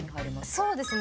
そうですね。